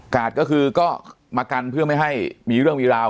ก็คือก็มากันเพื่อไม่ให้มีเรื่องมีราว